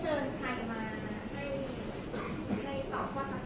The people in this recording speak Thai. แต่ว่าไม่มีปรากฏว่าถ้าเกิดคนให้ยาที่๓๑